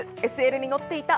ＳＬに乗っていた。